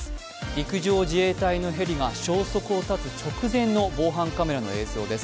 陸上自衛隊のヘリが消息を絶つ直前の防犯カメラの映像です。